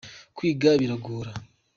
kwiga biragora